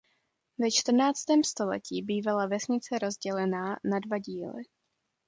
Ve čtrnáctém století bývala vesnice rozdělená na dva díly.